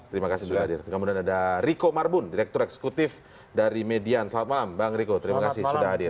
terima kasih sudah hadir kemudian ada riko marbun direktur eksekutif dari median selamat malam bang riko terima kasih sudah hadir